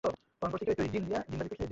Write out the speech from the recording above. প্রশ্ন করার কাজটা আমি করব।